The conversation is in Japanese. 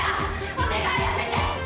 お願いやめて！